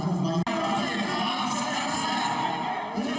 kalau saya yakin